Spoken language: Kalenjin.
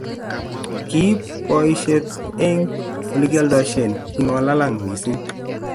Kiip boishet eng olegialdoishen kingolalang missing